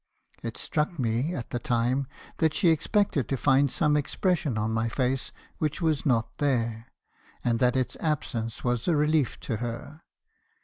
It struck me , at the time, that she expected to find some expression on my face which was not there , and that its absence was a relief to her.